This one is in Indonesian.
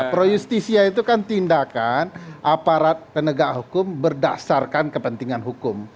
pro justisia itu kan tindakan aparat penegak hukum berdasarkan kepentingan hukum